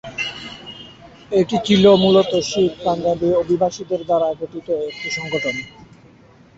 এটি ছিল মূলত শিখ-পাঞ্জাবী অভিবাসীদের দ্বারা গঠিত একটি সংগঠন।